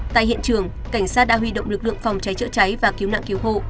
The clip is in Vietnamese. tại hiện trường cảnh sát đã huy động lực lượng phòng cháy chữa cháy và cứu nạn cứu hộ